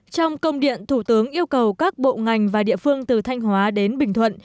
trong công điện thủ tướng yêu cầu các bộ ngành và địa phương từ thanh hóa đến bình thuận